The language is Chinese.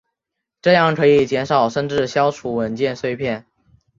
这样可以减少甚至消除文件碎片。